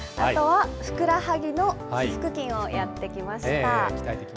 あとはふくらはぎの腓腹筋をやってきました。